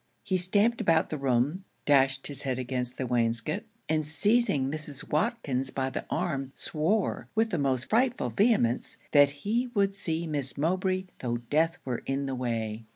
He stamped about the room, dashed his head against the wainscot, and seizing Mrs. Watkins by the arm, swore, with the most frightful vehemence, that he would see Miss Mowbray though death were in the way.